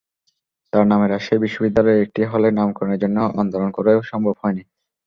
তাঁর নামে রাজশাহী বিশ্ববিদ্যালয়ের একটি হলের নামকরণের জন্য আন্দোলন করেও সম্ভব হয়নি।